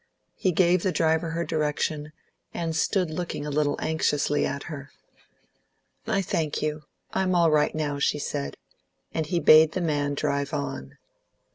He gave the driver her direction, and stood looking a little anxiously at her. "I thank you; I am all right now," she said, and he bade the man drive on.